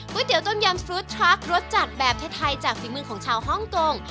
ก๋วยเตี๋ยวต้มยำฟรุ๊ตทรัครสจัดแบบเทศไทยจากฝีมือของชาวฮ่องกง